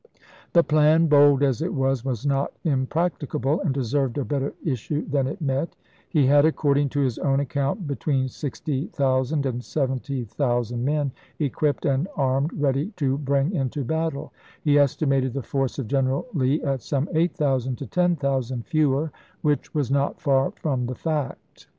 The plan, bold as it was, was not impracticable, and deserved a better issue than it met. He had, according to his own account, be tween 60,000 and 70,000 men equipped and armed ready to bring into battle ; he estimated the force of General Lee at some 8000 to 10,000 fewer, which was not far from the fact.